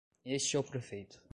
Este é o prefeito.